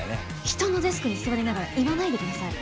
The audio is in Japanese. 人のデスクに座りながら言わないで下さい。